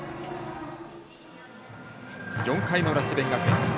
４回の裏、智弁学園。